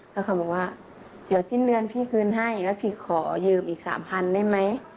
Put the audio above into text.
แล้วเขาบอกว่าเดี๋ยวสิ้นเดือนพี่คืนให้แล้วพี่ขอยืมอีกสามพันได้ไหม